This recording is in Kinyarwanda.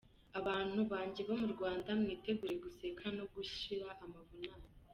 Abantu banjye bo mu Rwanda mwitegure guseka no gushira amavunane.